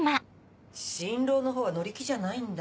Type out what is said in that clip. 新郎の方は乗り気じゃないんだ。